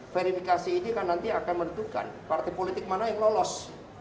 verifikasi ini kan nanti akan menentukan partai politik mana yang lolos